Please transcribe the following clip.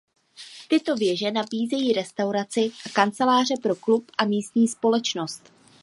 Tyto věže nabízejí restauraci a kanceláře pro klub a místní společnost.